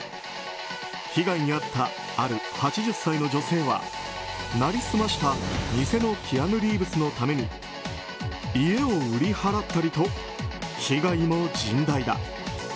被害に遭ったある８０歳の女性は成り済ました偽のキアヌ・リーブスのために家を売り払ったりと被害も甚大だ。